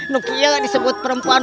kau tidak bisa disebut perempuan